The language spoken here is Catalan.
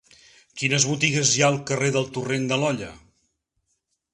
Quines botigues hi ha al carrer del Torrent de l'Olla?